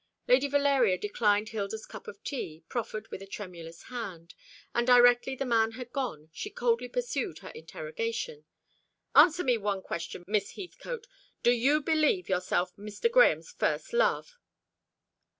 Lady Valeria declined Hilda's cup of tea, proffered with a tremulous hand; and directly the man had gone, she coldly pursued her interrogation. "Answer me one question, Miss Heathcote. Do you believe yourself Mr. Grahame's first love?"